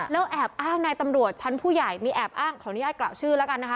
แล้วแอบอ้างในตำรวจชั้นผู้ใหญ่มีแอบอ้างขออนุญาตกล่าวชื่อแล้วกันนะคะ